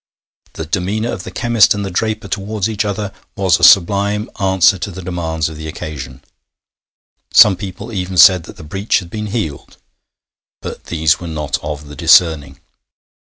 The demeanour of the chemist and the draper towards each other was a sublime answer to the demands of the occasion; some people even said that the breach had been healed, but these were not of the discerning.